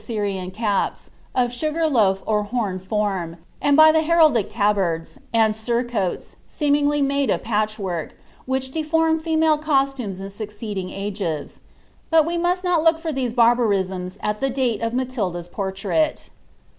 ui caps, of sugar loaf or homed form, and by the heraldic tabards, aiid vutcoata, seemingly made of patchwork, which deformed female coatumca in succeeding ages : but we must not look for lliese barbarisms ■1 Uia date of Matilda's portrait.